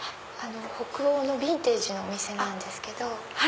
北欧のヴィンテージのお店なんですけど。